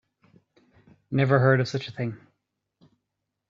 Never heard of such a thing.